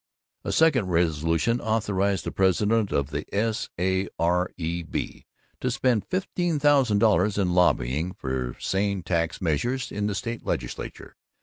A second resolution authorized the president of the S.A.R.E.B. to spend fifteen thousand dollars in lobbying for sane tax measures in the State Legislature.